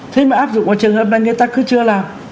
thế mà áp dụng vào trường hợp là người ta cứ chưa làm